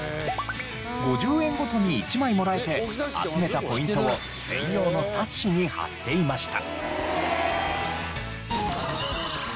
５０円ごとに１枚もらえて集めたポイントを専用の冊子に貼っていました。